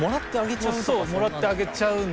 もらってあげちゃうんで。